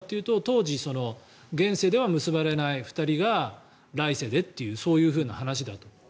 なんでそんなに人気が出たかというと当時、現世では結ばれない２人が来世でという、そういう話だと。